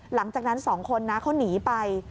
หลังจากนั้น๒คนนะเขาหนีไป